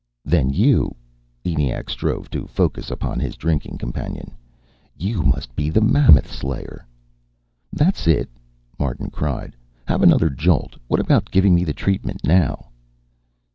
"Then you " ENIAC strove to focus upon his drinking companion. "You must be Mammoth Slayer." "That's it!" Martin cried. "Have another jolt. What about giving me the treatment now?"